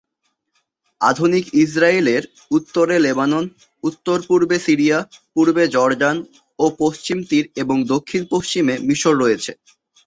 আধুনিক ইসরায়েলের উত্তরে লেবানন, উত্তর-পূর্বে সিরিয়া, পূর্বে জর্ডান ও পশ্চিম তীর এবং দক্ষিণ-পশ্চিমে মিশর রয়েছে।